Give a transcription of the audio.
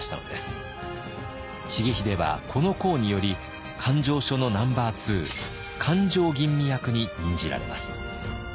各地の重秀はこの功により勘定所のナンバーツー勘定吟味役に任じられます。